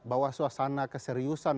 bahwa suasana keseriusan